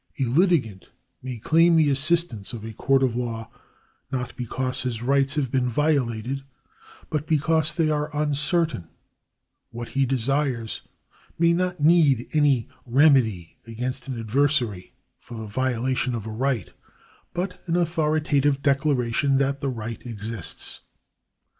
A litigant may claim the § 35] THE ADMINISTRATION OF JUSTICE 91 assistance of a court of law, not because his rights have been violated, but because they are uncertain. What he desires may be not any remedy against an adversary for the violation of a right, but an authoritative declaration that the right exists.